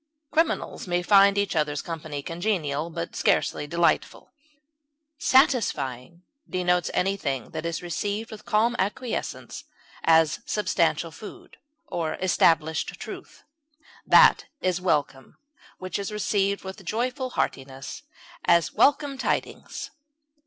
Criminals may find each other's company congenial, but scarcely delightful. Satisfying denotes anything that is received with calm acquiescence, as substantial food, or established truth. That is welcome which is received with joyful heartiness; as, welcome tidings.